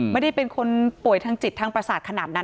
ไม่ได้เป็นคนป่วยทางจิตทางประสาทขนาดนั้น